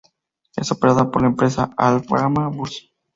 Es operada por la empresa Alhambra Bus.